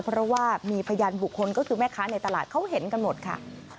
เพราะว่ามีพยานบุคคลก็คือแม่ค้าในตลาดเขาเห็นกันหมดค่ะ